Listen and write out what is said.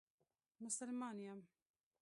مسلمان یم.